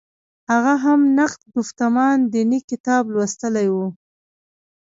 هغه هم نقد ګفتمان دیني کتاب لوستلی و.